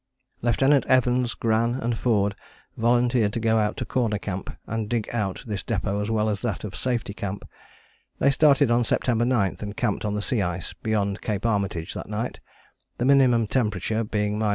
Lieutenant Evans, Gran and Forde volunteered to go out to Corner Camp and dig out this depôt as well as that of Safety Camp. They started on September 9 and camped on the sea ice beyond Cape Armitage that night, the minimum temperature being 45°.